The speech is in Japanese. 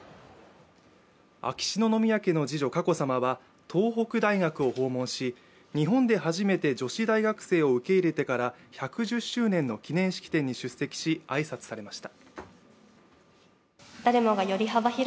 秋篠宮家の次女・佳子さまは東北大学を訪問し、日本で初めて女子大学生を受け入れてから１１０周年の記念式典に出席し挨拶されました。